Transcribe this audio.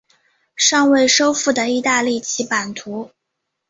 尚未收复的意大利其版图。